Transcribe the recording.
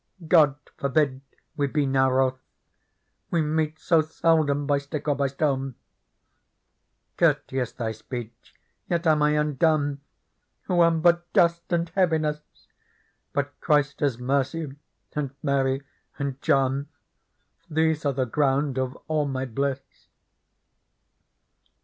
God forbid we be now wroth. We meet so seldom by stick or by stone ! Courteous thy speech, yet am I undone. Who am but dust and heaviness ; But Christes mercy and Mary and John, These are the ground of all my bliss.